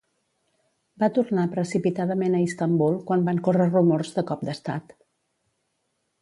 Va tornar precipitadament a Istanbul quan van córrer rumors de cop d'estat.